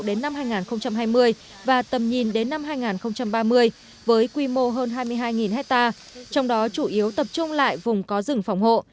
đến năm hai nghìn hai mươi và tầm nhìn đến năm hai nghìn ba mươi với quy mô hơn hai mươi hai hectare trong đó chủ yếu tập trung lại vùng có rừng phòng hộ